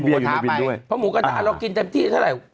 เพราะหมูกระทะเรากินเต็มที่เท่าไหร่